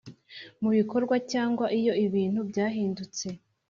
mu bikorwa cyangwa iyo ibintu byahindutse